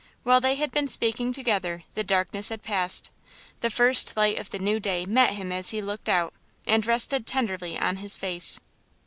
While they had been speaking together the darkness had passed. The first light of the new day met him as he looked out, and rested tenderly on his face.